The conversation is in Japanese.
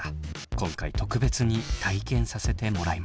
今回特別に体験させてもらいます。